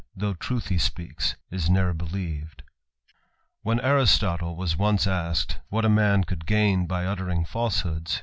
Though truth he speaks, is ne'er believ'd. BN Aristotle was once asked, what a man could gain by uttering falsehoods?